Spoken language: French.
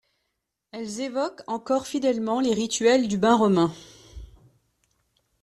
Elles évoquent encore fidèlement les rituels du bain romain.